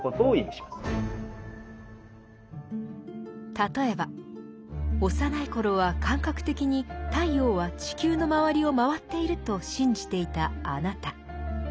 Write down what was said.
例えば幼い頃は感覚的に太陽は地球の周りを回っていると信じていたあなた。